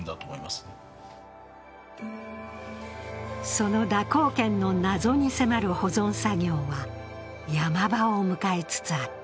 その蛇行剣の謎に迫る保存作業はヤマ場を迎えつつあった。